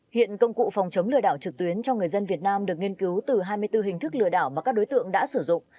hiện công cụ phòng chống lừa đảo trực tuyến cho người dân việt nam được nghiên cứu từ hai mươi bốn hình thức lừa đảo mà các đối tượng đã sử dụng